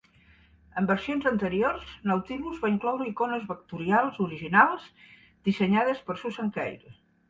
En versions anteriors, Nautilus va incloure icones vectorials originals dissenyades per Susan Kare.